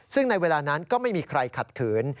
ซึ่งในเวลานั้นก็ไม่มีใครขัดขืน